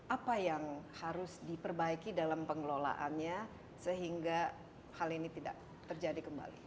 apa yang harus diperbaiki dalam pengelolaannya sehingga hal ini tidak terjadi kembali